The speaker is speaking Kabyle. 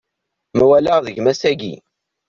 Ma walaɣ deg-m ass-agi.